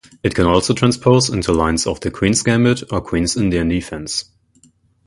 It can also transpose into lines of the Queen's Gambit or Queen's Indian Defence.